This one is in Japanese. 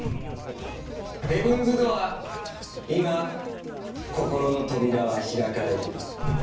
ヘブンズドア、今、心の扉は開かれる。